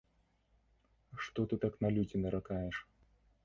Што ты так на людзі наракаеш?